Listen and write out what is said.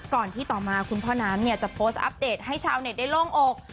ที่ต่อมาคุณพ่อน้ำจะโพสต์อัปเดตให้ชาวเน็ตได้โล่งอก